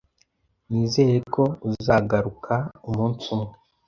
Nizere ko uzagaruka umunsi umwe.